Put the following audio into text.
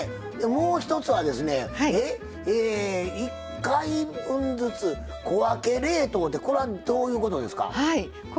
もう一つはですね「１回分ずつ小分け冷凍」ってこれはどういうことですか？